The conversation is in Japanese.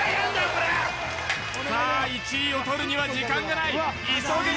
これさあ１位をとるには時間がない急げ